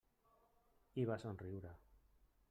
I va somriure.